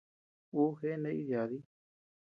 Ú jeʼe naíd-yádi.